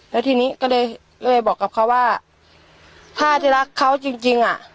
แล้วทีนี้ก็เลยบอกกับเขาว่าถ้าจะรักเขาจริงจริงอ่ะ